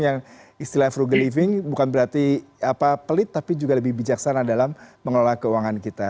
yang istilah frugal living bukan berarti pelit tapi juga lebih bijaksana dalam mengelola keuangan kita